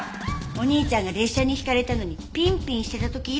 お兄ちゃんが列車にひかれたのにピンピンしてた時以来です。